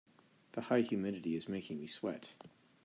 The high humidity is making me sweat.